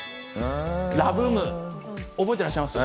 「ラ・ブーム」、覚えていらっしゃいますか。